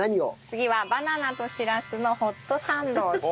次はバナナとシラスのホットサンドを作ります。